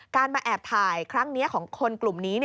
มาแอบถ่ายครั้งนี้ของคนกลุ่มนี้